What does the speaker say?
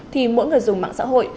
thì mỗi người dùng mạng xã hội